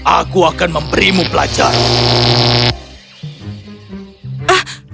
aku akan memberimu pelajaran